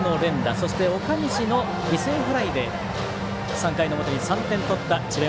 そして岡西の犠牲フライで３回の表に３点取った智弁